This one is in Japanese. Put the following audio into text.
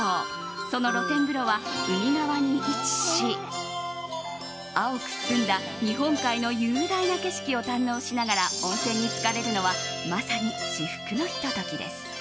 その露天風呂は海側に位置し青く澄んだ日本海の雄大な景色を堪能しながら温泉につかれるのはまさに至福のひと時です。